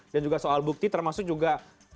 dan juga soal bukti termasuk juga